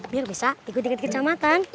biar bisa ikut dekat dekat kecamatan